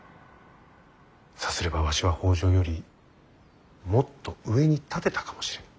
さすればわしは北条よりもっと上に立てたかもしれぬ。